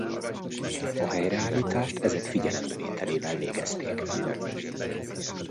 A helyreállítást ezek figyelembevételével végezték el.